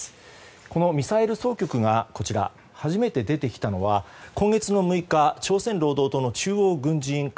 このミサイル総局が初めて出てきたのは今月の６日朝鮮労働党の中央軍事委員会